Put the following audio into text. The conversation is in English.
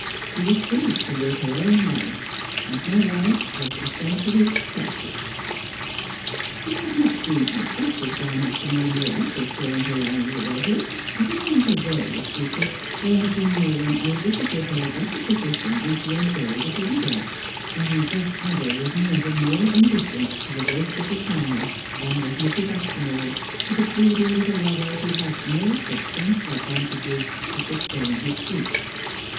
She was free to live her own life, and her life was essentially selfish. She had not been unflattered by matrimonial offers during her long widowhood ; but among her various suitors there had been no one able to give her a better position than she enjoyed as a widow : and the deaf adder was never more indifferent to the voice of the charmer than was Mrs. Aspinall to the pleading of a lover who had no substantial advantages to sustain his suit.